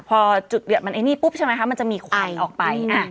พอจุดเดือดมันไอ้นี่ปุ๊บใช่ไหมคะมันจะมีควายออกไป